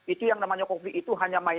itu yang namanya covid itu hanya main